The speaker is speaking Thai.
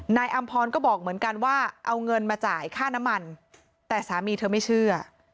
อำพรก็บอกเหมือนกันว่าเอาเงินมาจ่ายค่าน้ำมันแต่สามีเธอไม่เชื่อ